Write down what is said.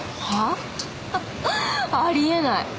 はあ？あり得ない！